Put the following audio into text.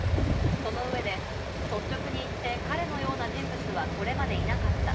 その上で率直に言って、彼のような人物はこれまでいなかった。